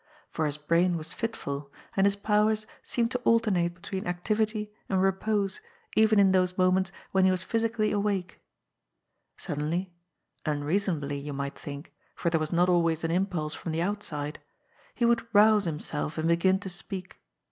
For his brain was fitful, and his powers seemed to alternate between activity and repose even in those moments when he was physically awake. Suddenly — ^unreasonably you might think, for there was not always an impulse from the outside — he would rouse himself and begin to speak.